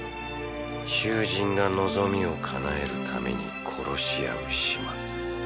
囚人が望みを叶えるために殺し合う島。